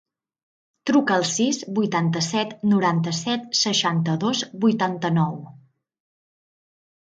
Truca al sis, vuitanta-set, noranta-set, seixanta-dos, vuitanta-nou.